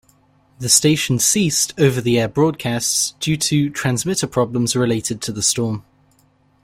The station ceased over-the-air broadcasts due to transmitter problems related to the storm.